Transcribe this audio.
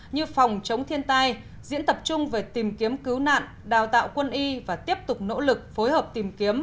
như phòng chống thiên tai diễn tập chung về tìm kiếm cứu nạn đào tạo quân y và tiếp tục nỗ lực phối hợp tìm kiếm